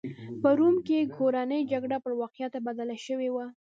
په روم کې کورنۍ جګړه پر واقعیت بدله شوې وه.